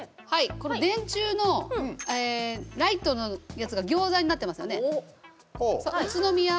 この電柱のライトのやつがギョーザになってますよね。